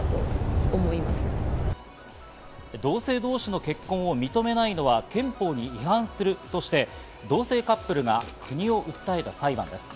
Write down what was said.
同性同士の結婚を認めないのは憲法に違反するとして同性カップルが国を訴えた裁判です。